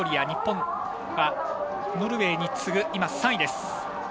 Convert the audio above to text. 日本はノルウェーに次ぐ３位です。